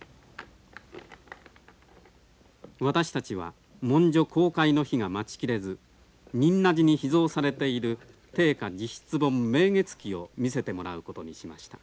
私たちは文書公開の日が待ち切れず仁和寺に秘蔵されている定家自筆本「明月記」を見せてもらうことにしました。